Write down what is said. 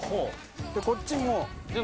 でこっちも。